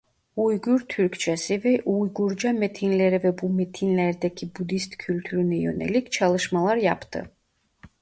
Uygur Türkçesi ve Uygurca metinlere ve bu metinlerdeki Budist kültürüne yönelik çalışmalar yaptı.